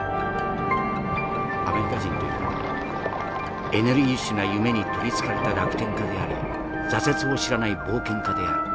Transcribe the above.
アメリカ人というのはエネルギッシュな夢に取りつかれた楽天家であり挫折を知らない冒険家である。